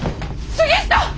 杉下！